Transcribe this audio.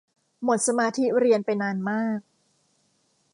หมดสมาธิเรียนไปนานมาก